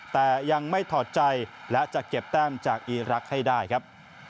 แต่ยังไม่ถอดใจและจะเก็บแต้มจากอีรักษ์ให้ได้ครับ